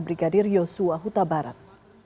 brigadir yosua utabarat